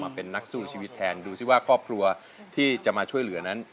เป็นนักสู้ชีวิตแทนดูสิว่าครอบครัวที่จะมาช่วยเหลือนั้น